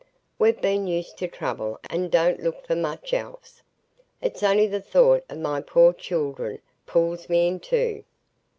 We've been used to trouble, and don't look for much else. It's only the thought o' my poor children pulls me i' two."